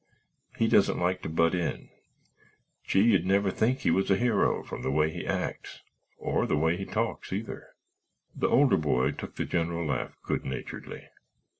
"He doesn't like to butt in—gee, you'd never think he was a hero from the way he acts—or the way he talks either." The older boy took the general laugh good naturedly.